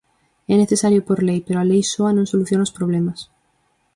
É necesario por lei, pero a lei soa non soluciona os problemas.